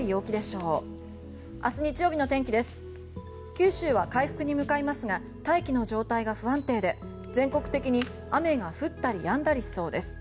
九州は回復に向かいますが大気の状態が不安定で全国的に雨が降ったりやんだりしそうです。